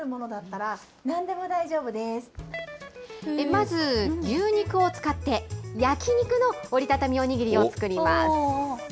まず、牛肉を使って、焼き肉の折りたたみおにぎりを作ります。